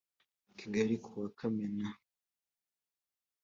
kigali ku wa kamena